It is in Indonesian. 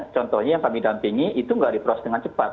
contohnya yang kami dampingi itu nggak dipros dengan cepat